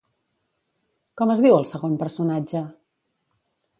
Com es diu el segon personatge?